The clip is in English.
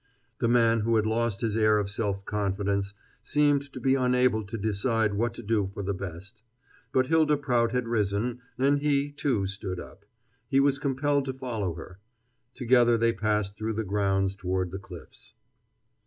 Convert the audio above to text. The man, who had lost his air of self confidence, seemed to be unable to decide what to do for the best. But Hylda Prout had risen, and he, too, stood up. He was compelled to follow her. Together they passed through the grounds toward the cliffs.